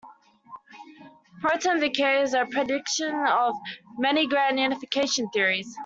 Proton decay is a prediction of many grand unification theories.